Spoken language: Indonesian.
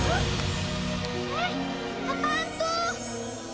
eh apaan tuh